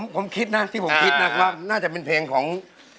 ผมคิดนะที่ผมคิดน่าจะเป็นเพลงของ